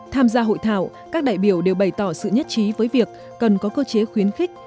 tham gia hội thảo các đại biểu đều bày tỏ sự nhất trí với việc cần có cơ chế khuyến khích